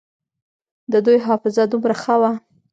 د دوى حافظه دومره ښه وه.